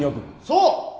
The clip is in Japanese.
そう！